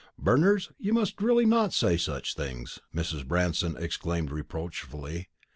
"Berners, you really must not say such things," Mrs. Branston exclaimed reproachfully.